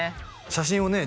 写真をね